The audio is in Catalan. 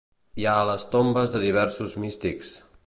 Hi ha les tombes de diversos místics.